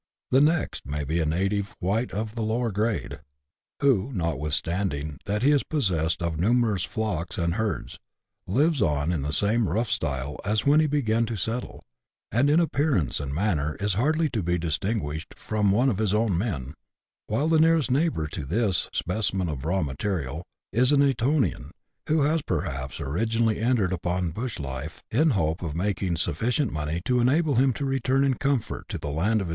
The next may be a native white of the lower grade, who, notwithstanding that he is possessed of numerous flocks and herds, lives on in the same rough style as when he began to settle, and in appearance and manner is hardly to be distinguished from one of his own men, while the nearest neighbour to this "specimen of raw material" is an Etonian, who has perhaps originally entered upon a bush life in the hope of making suf ficient money to enable him to return in comfort to the land of CHAP.